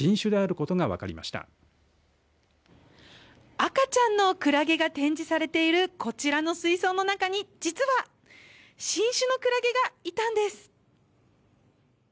赤ちゃんのクラゲが展示されているこちらの水槽の中に実は新種のクラゲがいたんです。